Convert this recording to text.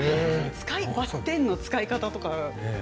ばってんの使い方とか。